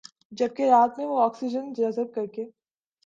جبکہ رات میں وہ آکسیجن جذب کرکے